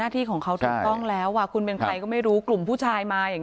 ที่ของเขาถูกต้องแล้วคุณเป็นใครก็ไม่รู้กลุ่มผู้ชายมาอย่าง